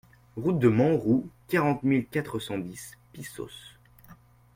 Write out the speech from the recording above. Route de Menroux, quarante mille quatre cent dix Pissos